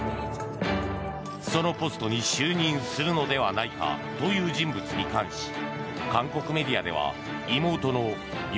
そのポストに就任するのではないかという人物に関し韓国メディアでは妹の与